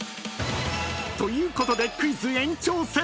［ということでクイズ延長戦！］